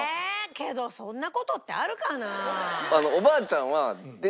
けどそんな事ってあるかな？